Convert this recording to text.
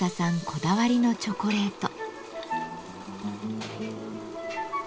こだわりのチョコレート。